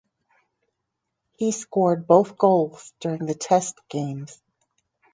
He scored both goals during the test games.